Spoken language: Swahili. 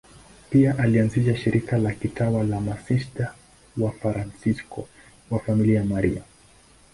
Pia alianzisha shirika la kitawa la Masista Wafransisko wa Familia ya Maria.